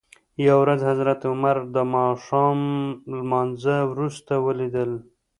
یوه ورځ حضرت عمر دماښام لمانځه وروسته ولید ل.